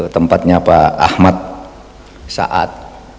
tempatnya pak ahmad sa ad